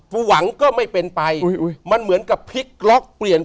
ผู้หวังก็ไม่เป็นไป